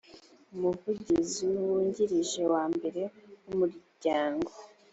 umuvugizi wungirije wa mbere w umuryango